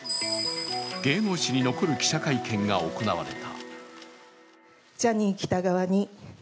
芸能史に残る記者会見が行われた。